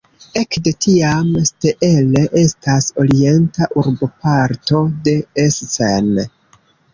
Ekde tiam Steele estas orienta urboparto de Essen.